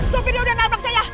sofirnya udah nabrak saya